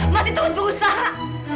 masih terus berusaha